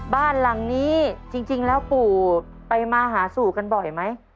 บ้านหลังนี้จริงแล้วปู่ไปมาหาสู่กันบ่อยไหม